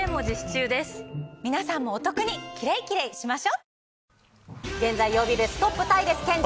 皆さんもお得にキレイキレイしましょう！